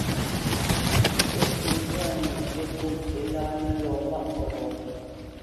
Pə́ só mbwâ nə̂ tsí pô ŋkǐ láánə lɔ mbá məghɔ̌.